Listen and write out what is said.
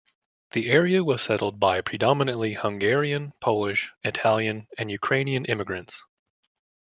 The area was settled by predominantly Hungarian, Polish, Italian and Ukrainian immigrants.